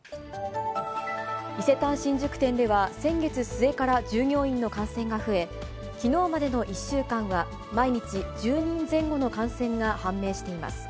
伊勢丹新宿店では先月末から従業員の感染が増え、きのうまでの１週間は、毎日１０人前後の感染が判明しています。